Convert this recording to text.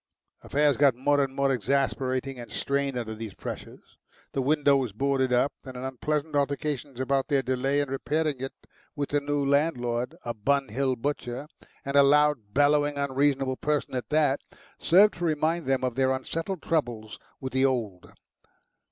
Affairs got more and more exasperating and strained under these pressures. The window was boarded up, and an unpleasant altercation about their delay in repairing it with the new landlord, a Bun Hill butcher and a loud, bellowing, unreasonable person at that served to remind them of their unsettled troubles with the old.